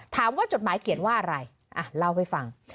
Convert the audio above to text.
จดหมายเขียนว่าอะไรเล่าให้ฟัง